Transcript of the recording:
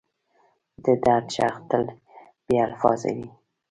د درد ږغ تل بې الفاظه وي.